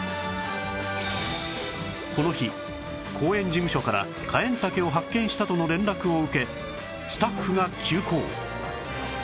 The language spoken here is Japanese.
この日公園事務所からカエンタケを発見したとの連絡を受けスタッフが急行